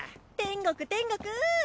天国天国！